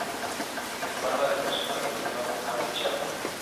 Hermana del músico argentino Andy Chango.